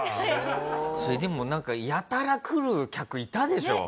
それでもなんかやたら来る客いたでしょ？